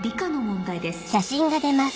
問題です。